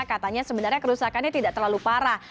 katanya sebenarnya kerusakannya tidak terlalu parah